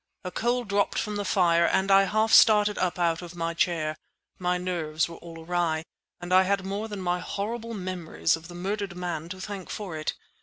A coal dropped from the fire, and I half started up out of my chair. My nerves were all awry, and I had more than my horrible memories of the murdered man to thank for it.